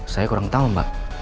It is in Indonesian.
saya kurang tahu mbak